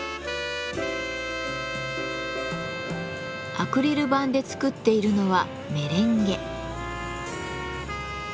アクリル板で作っているのはメレンゲ。